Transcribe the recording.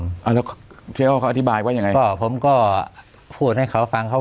ครับผมอ่าแล้วเจออร์เขาอธิบายว่ายังไงก็ผมก็พูดให้เขาฟังเขา